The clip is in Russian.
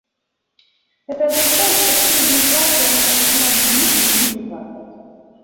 Это означает что все узлы кластера необходимо объединить в единый кластер